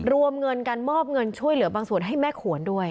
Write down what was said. รวมเงินกันมอบเงินช่วยเหลือบางส่วนให้แม่ขวนด้วย